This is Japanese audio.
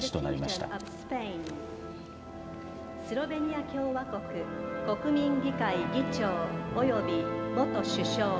スロベニア共和国国民議会議長、および元首相。